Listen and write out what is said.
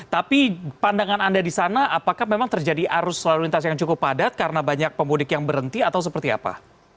tapi pandangan anda di sana apakah memang terjadi arus lalu lintas yang cukup padat karena banyak pemudik yang berhenti atau seperti apa